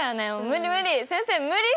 無理無理！